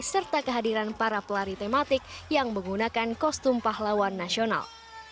serta kehadiran para pelari tematik yang menggunakan kostum pahlawan nasional